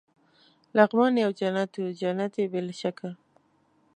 لغمان یو جنت وو، جنت يې بې له شکه.